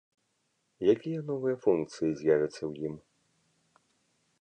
Якія новыя функцыі з'явяцца ў ім?